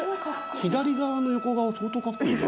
左側の横顔相当カッコいいね。